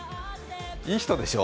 いい人でしょう？